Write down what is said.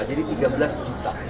jadi tiga belas juta